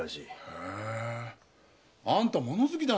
へえあんた物好きだなぁ。